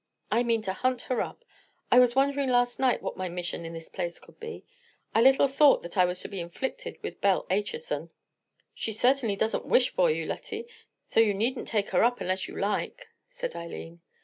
I mean to hunt her up. I was wondering last night what my mission in this place could be. I little thought that I was to be inflicted with Belle Acheson." "She certainly doesn't wish for you, Lettie, so you needn't take her up unless you like," said Eileen.